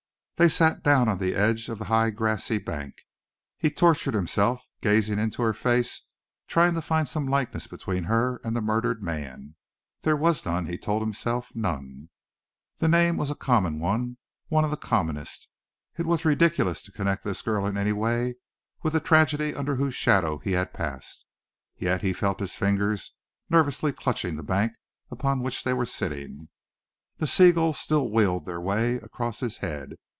They sat down on the edge of the high, grassy bank. He tortured himself, gazing into her face, trying to find some likeness between her and the murdered man. There was none, he told himself, none. The name was a common one one of the commonest. It was ridiculous to connect this girl in any way with the tragedy under whose shadow he had passed. Yet he felt his fingers nervously clutching the bank upon which they were sitting. The seagulls still wheeled their way across his head.